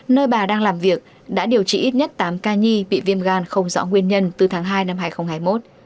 nơi bà đang làm việc đã điều trị ít nhất tám ca nhi bị viêm gan không rõ nguyên nhân từ tháng hai năm hai nghìn hai mươi một